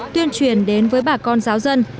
tuyên truyền đến với bà con giáo dân